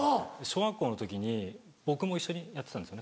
小学校の時に僕も一緒にやってたんですよね